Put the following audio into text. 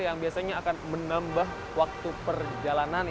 yang biasanya akan menambah waktu perjalanan